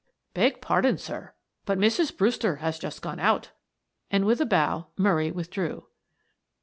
"Beg pardon, sir, but Mrs. Brewster has just gone out," and with a bow Murray withdrew.